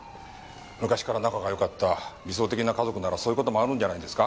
昔から仲がよかった理想的な家族ならそういう事もあるんじゃないですか？